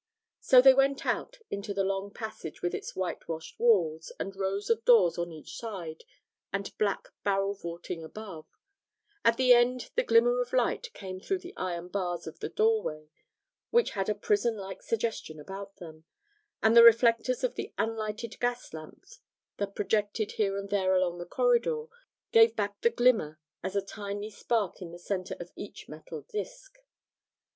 So they went out into the long passage with its whitewashed walls and rows of doors on each side, and black barrel vaulting above; at the end the glimmer of light came through the iron bars of the doorway, which had a prison like suggestion about them, and the reflectors of the unlighted gas lamps that projected here and there along the corridor gave back the glimmer as a tiny spark in the centre of each metal disc.